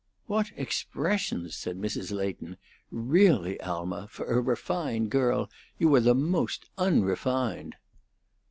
"What expressions!" said Mrs. Leighton. "Really, Alma, for a refined girl you are the most unrefined!"